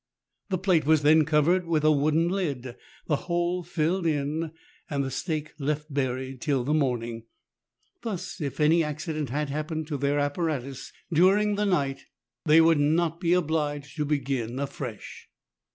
The plate was then covered with a wooden lid, the hole filled in, and the stake left buried till the morning. Thus, if any accident had happened to their apparatus during the night THREE ENGLISHMEN AND THREE RUSSIANS. (5; they would not be obliged to begin afresh.